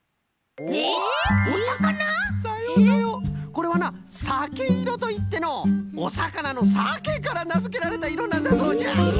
これはなさけいろといってのうおさかなのさけからなづけられたいろなんだそうじゃ。